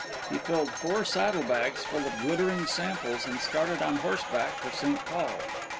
He filled four saddle bags full of glittering samples and started on horseback for St. Paul.